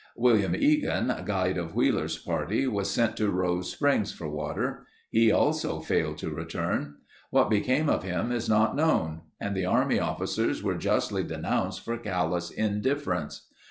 William Eagan, guide of Wheeler's party was sent to Rose Springs for water. He also failed to return. What became of him is not known and the army officers were justly denounced for callous indifference.